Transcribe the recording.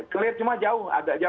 clear cuma jauh agak jauh